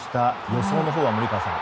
予想のほうは、森川さん。